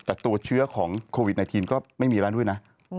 แต่ตัวเชื้อของโควิด๑๙ก็ไม่มีแล้วด้วยนะ